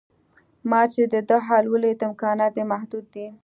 ما چې د ده حال ولید امکانات یې محدود دي.